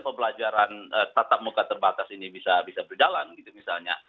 pembelajaran tatap muka terbatas ini bisa berjalan gitu misalnya